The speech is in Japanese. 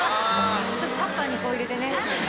「ちょっとタッパーにこう入れてね」